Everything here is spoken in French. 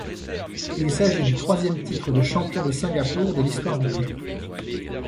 Il s'agit du troisième titre de champion de Singapour de l'histoire du club.